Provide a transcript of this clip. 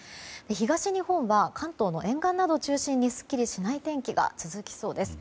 東日本は関東の沿岸などを中心にすっきりしない天気が続きそうです。